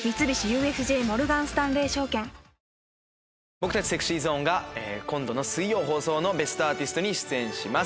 僕たちＳｅｘｙＺｏｎｅが今度の水曜放送の『ベストアーティスト』に出演します。